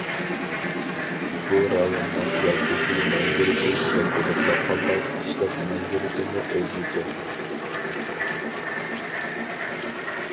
بۇ رايوننىڭ يازدىكى مەنزىرىسى گۈزەل بولۇپلا قالماي، قىشلىق مەنزىرىسىمۇ ئۆزگىچە.